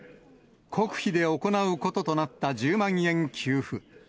国費で行うこととなった１０万円給付。